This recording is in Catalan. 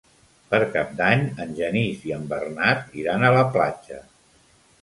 Per Cap d'Any en Genís i en Bernat iran a la platja.